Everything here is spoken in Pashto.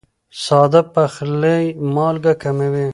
ساده پخلی مالګه کموي.